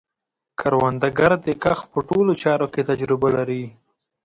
کروندګر د کښت په ټولو چارو کې تجربه لري